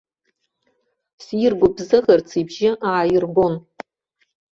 Сиргәыбзыӷырц ибжьы ааиргон.